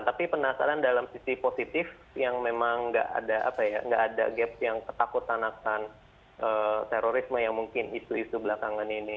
tapi penasaran dalam sisi positif yang memang nggak ada gap yang ketakutan akan terorisme yang mungkin isu isu belakangan ini